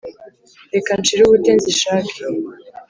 reka nshire ubute nzishake